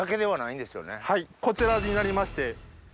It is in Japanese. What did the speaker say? こちらになりまして。